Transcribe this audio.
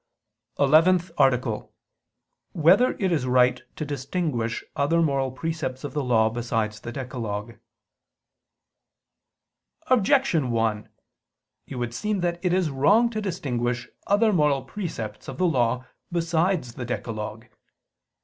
________________________ ELEVENTH ARTICLE [I II, Q. 100, Art. 11] Whether It Is Right to Distinguish Other Moral Precepts of the Law Besides the Decalogue? Objection 1: It would seem that it is wrong to distinguish other moral precepts of the law besides the decalogue.